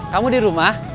kamu di rumah